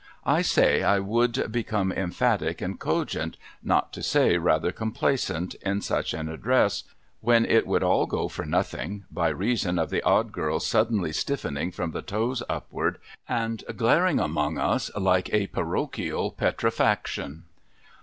— I say I would become emphatic and cogent, not to say rather complacent, in such an address, when it would all go for nothing by reason of the Odd Girl's suddenly stiffening from the toes upward, and glaring among us like a parochial petrifaction.